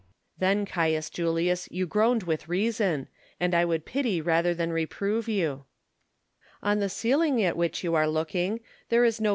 Then, Caius Julius, you groaned with reason; and I would pity rather than reprove you. Ou the ceiling at which you are looking, there is no 272 IMAGINAR V CONVERSA TIONS.